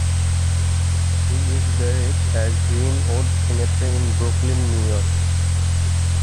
He is buried at Green-Wood Cemetery in Brooklyn, New York.